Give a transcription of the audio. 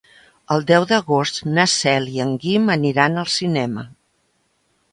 El deu d'agost na Cel i en Guim aniran al cinema.